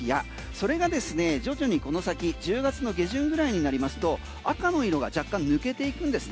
それがですね徐々にこの先１０月の下旬ぐらいになりますと赤の色が若干抜けていくんです。